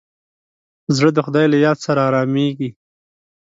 زړه د خدای له یاد سره ارامېږي.